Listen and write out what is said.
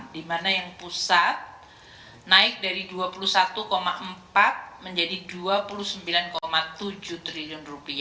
di mana yang pusat naik dari rp dua puluh satu empat menjadi rp dua puluh sembilan tujuh triliun